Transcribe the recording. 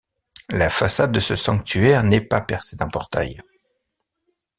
La façade de ce sanctuaire n’est pas percée d’un portail.